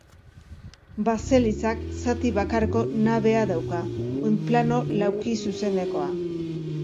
Baselizak zati bakarreko nabea dauka, oinplano laukizuzenekoa.